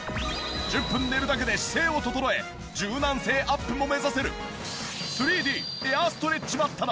１０分寝るだけで姿勢を整え柔軟性アップも目指せる。